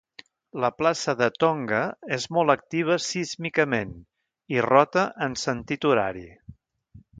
La placa de Tonga és molt activa sísmicament i rota en sentit horari.